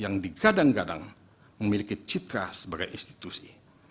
yang digadang gadang memiliki citra sebagai institusi